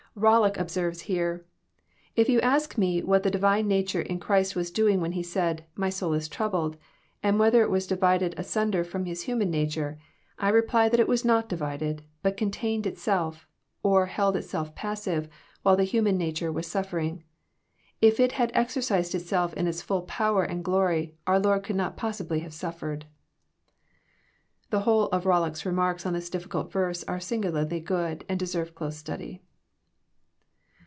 Bollock observes here, <<If yon ask me what the Divine nature in Christ was doing when He said, 'My soul is troubled,' and whether it was divided asunder from His human nature, I reply that it was not divided, but contained itself, or held itself passive, while the human nature was suffering. If it had exercised itself in its fUU power and glory, our Lord could not possibly have suffered. (The whole of Bollock's remarks on this difficult verse are singularly good, and deserve close study.)